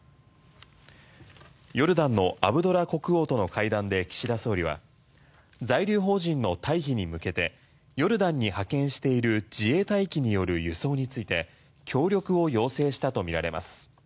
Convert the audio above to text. ヨルダンのアブドラ国王との会談で岸田総理は、在留邦人の退避に向けてヨルダンに派遣している自衛隊機による輸送について協力を要請したとみられます。